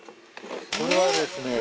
これはですね